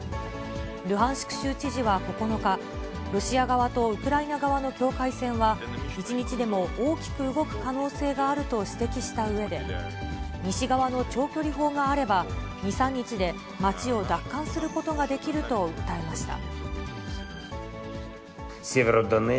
ルハンシク州知事は９日、ロシア側とウクライナ側の境界線は、１日でも大きく動く可能性があると指摘したうえで、西側の長距離砲があれば、２、３日で街を奪還することができると訴えました。